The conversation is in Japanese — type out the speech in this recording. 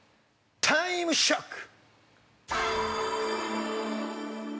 タイムショック！